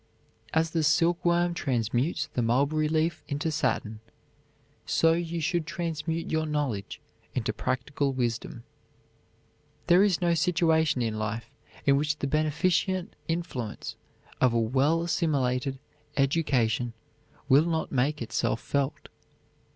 As the silkworm transmutes the mulberry leaf into satin, so you should transmute your knowledge into practical wisdom. There is no situation in life in which the beneficent influence of a well assimilated education will not make itself felt.